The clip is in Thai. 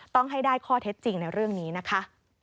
ต้องให้ได้ข้อเท็จจริงในเรื่องนี้นะคะ